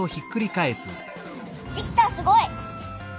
できたすごい！